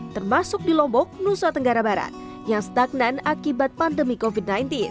termasuk di lombok nusa tenggara barat yang stagnan akibat pandemi covid sembilan belas